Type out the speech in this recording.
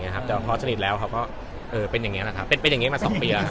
ครอบคร้อนสนีทแล้วเขาเป็นอย่างเนี้ยล่ะเป็นอย่างเนี้ยมา๒ปีแล้ว